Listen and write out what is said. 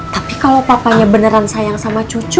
tapi kalau papanya beneran sayang sama cucu